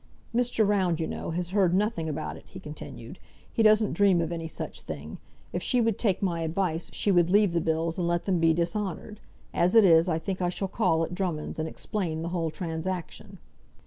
"Mr. Round, you know, has heard nothing about it," he continued. "He doesn't dream of any such thing. If she would take my advice, she would leave the bills, and let them be dishonoured. As it is, I think I shall call at Drummonds', and explain the whole transaction."